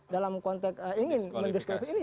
dalam konteks ingin mendiskriminasi